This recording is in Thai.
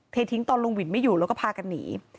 ทิ้งตอนลุงวินไม่อยู่แล้วก็พากันหนี